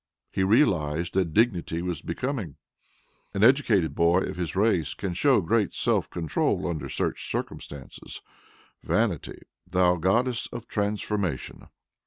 He realized that dignity was becoming. An educated boy of his race can show great self control under such circumstances. Vanity thou Goddess of Transformation!